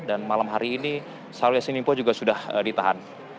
dan malam hari ini sarul yassin limpo juga sudah ditahan